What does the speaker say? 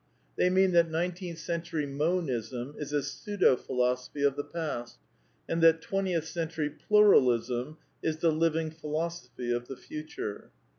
They mean that nineteenth cen tury Monism is a pseudo philosophy of the past, and that twentieth century Pluralism is the living philosophy of the future.